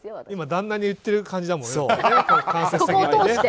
今、旦那に言ってる感じだもんね。